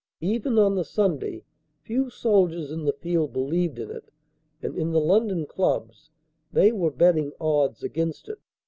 Even on the Sunday, few soldiers in the field believed in it, and in the London clubs they were betting odds against it.